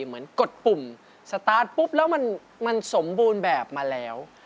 กดปุ่มสตาร์ทปุ๊บแล้วมันสมบูรณ์แบบมาแล้ว